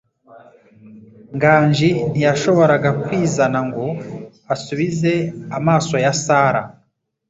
Nganji ntiyashoboraga kwizana ngo asubize amaso ya Sara.